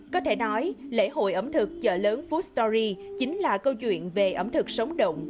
có thể nói lễ hội ẩm thực chợ lớn foodstory chính là câu chuyện về ẩm thực sống động